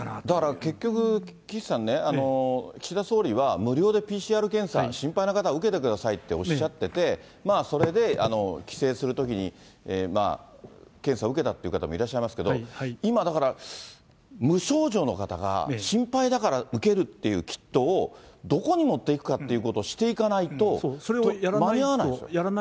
だから結局、岸さんね、岸田総理は無料でＰＣＲ検査、心配な方は受けてくださいっておっしゃってて、それで帰省するときに検査受けたっていう方もいらっしゃいますけど、今、だから、無症状の方が心配だから受けるっていうキットを、どこに持っていくかということをしていかないと、間に合わないですよ。